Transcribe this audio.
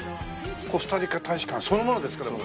コスタリカ大使館そのものですから。